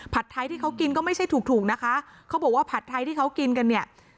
ไทยที่เขากินก็ไม่ใช่ถูกถูกนะคะเขาบอกว่าผัดไทยที่เขากินกันเนี่ย